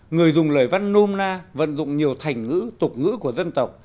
người dùng lời văn nôm na vận dụng nhiều thành ngữ tục ngữ của dân tộc